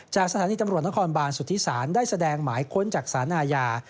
จากสถานีตำรวจนครบานสุธิศาลได้แสดงหมายค้นจากศาลอาญา